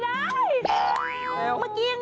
จำไม่ได้จำไม่ได้